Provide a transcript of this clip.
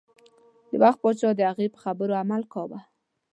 د وخت پاچا د هغې په خبرو عمل کاوه.